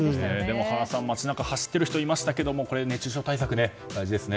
でも、原さん街中を走っている方がいましたが熱中症対策大事ですね。